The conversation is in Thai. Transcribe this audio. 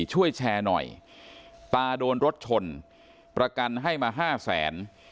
ช่วยแชร์หน่อยตาโดนรถชนประกันให้มาห้าแสน